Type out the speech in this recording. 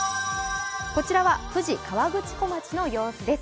こちらは富士河口湖町の様子です。